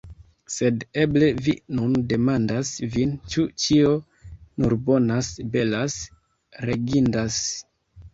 Sed eble vi nun demandas vin, ĉu ĉio nur bonas, belas, legindas.